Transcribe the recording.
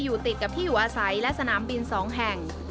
อยู่ติดกับที่อยู่อาศัยและสนามบิน๒แห่ง